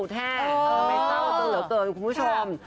ไม่เจ้าตัวเหลือเติมคุณผู้ชม